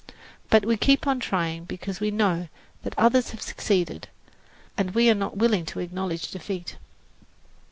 But we keep on trying because we know that others have succeeded, and we are not willing to acknowledge defeat.